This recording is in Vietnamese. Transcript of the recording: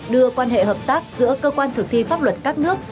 đưa quan hệ hợp tác giữa cơ quan thực thi pháp luật các nước